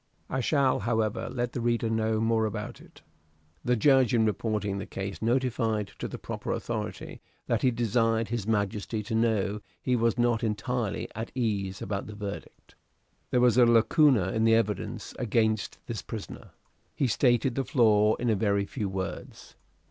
I shall, however, let the reader know more about it. The judge in reporting the case notified to the proper authority that he desired His Majesty to know he was not entirely at ease about the verdict. There was a lacuna in the evidence against this prisoner. He stated the flaw in a very few words.